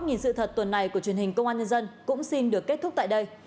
nhìn sự thật tuần này của truyền hình công an nhân dân cũng xin được kết thúc tại đây